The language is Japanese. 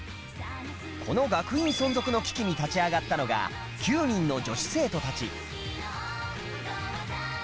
この学院存続の危機に立ち上がったのが９人の女子生徒たち